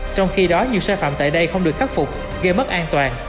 trong khi đó nhiều sai phạm tại đây không được khắc phục gây mất an toàn